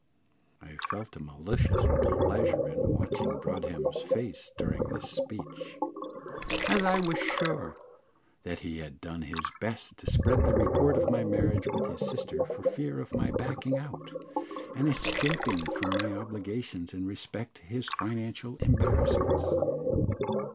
I felt a malicious pleasure in watching Broadhem's face during this speech, as I was sure that he had done his best to spread the report of my marriage with his sister for fear of my backing out, and escaping from my obligations in respect to his financial embarrassments.